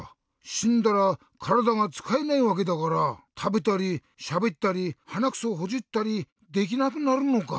しんだらからだがつかえないわけだからたべたりしゃべったりはなくそをほじったりできなくなるのか。